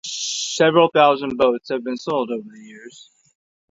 Several thousand boats have been sold over the years.